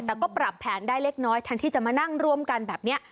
แต่ก็ปรับแผนได้เล็กน้อยแทนที่จะมานั่งร่วมกันแบบนี้